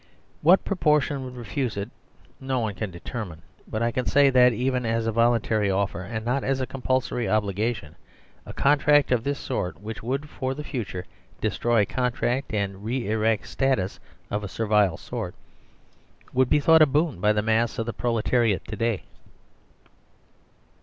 What proportion would refuse it no one can de termine ; but I say that even as a voluntary offer, and not as a compulsory obligation, a contract of this sort which would for the future destroy contract and re erect status of a servile sort would be thought a boon by the mass of the proletariat to day.